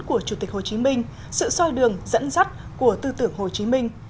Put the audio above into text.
của chủ tịch hồ chí minh sự soi đường dẫn dắt của tư tưởng hồ chí minh